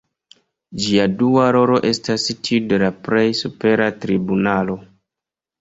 Ĝia dua rolo estas tiu de la plej supera tribunalo.